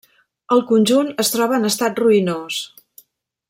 El conjunt es troba en estat ruïnós.